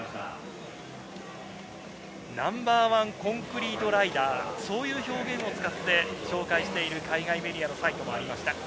ナンバー１コンクリートライダー、そういう表現を使って紹介している海外メディアのサイトもありました。